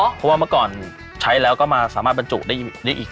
เพราะว่าเมื่อก่อนใช้แล้วก็มาสามารถบรรจุได้อีก